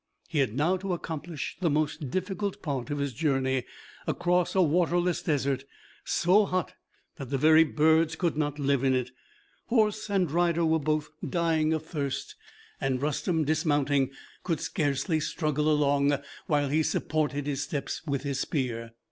He had now to accomplish the most difficult part of his journey, across a waterless desert, so hot that the very birds could not live in it. Horse and rider were both dying of thirst, and Rustem, dismounting, could scarcely struggle along while he supported his steps by his spear.